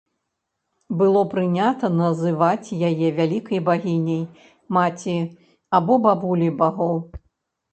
Было прынята называць яе вялікай багіняй, маці або бабуляй багоў.